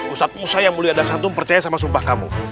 ustadzmu saya mulia dan santun percaya sama sumpah kamu